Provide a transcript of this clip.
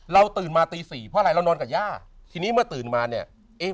ตื่นมาตีสี่เพราะอะไรเรานอนกับย่าทีนี้เมื่อตื่นมาเนี่ยเอ๊ะ